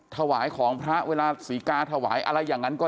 ถวายของพระเวลาศรีกาถวายอะไรอย่างนั้นก็